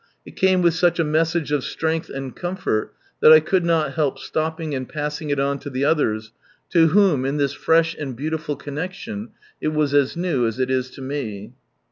It came with such a message of strength and comfort, that I could not help stopping and passing it on to the others, to whom, in this fresh and beautiful connection, it was as new 11 be a Seed" 145 er.